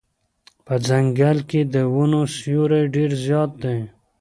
په ځنګل کې د ونو سیوری ډېر زیات دی.